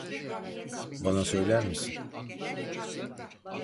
Bana söyler misin?